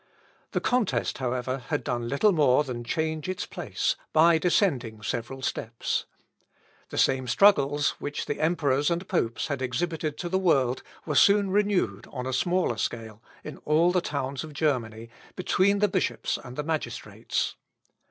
The contest, however, had done little more than change its place, by descending several steps. The same struggles which the emperors and popes had exhibited to the world were soon renewed on a smaller scale, in all the towns of Germany, between the bishops and the magistrates.